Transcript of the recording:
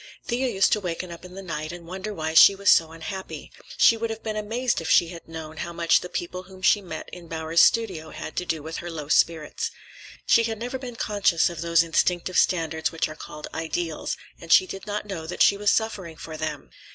Thea used to waken up in the night and wonder why she was so unhappy. She would have been amazed if she had known how much the people whom she met in Bowers's studio had to do with her low spirits. She had never been conscious of those instinctive standards which are called ideals, and she did not know that she was suffering for them.